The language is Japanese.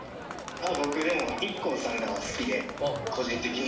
僕でもＩＫＫＯさんが好きで個人的に。